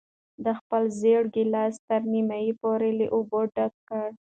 ده خپل زېړ ګیلاس تر نیمايي پورې له اوبو ډک کړ.